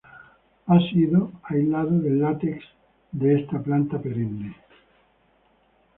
El ha sido aislado del látex de esta planta perenne.